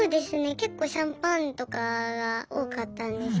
結構シャンパンとかが多かったんですけど。